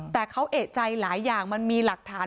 แต่เขาเอกใจหลายอย่างมันมีหลักฐาน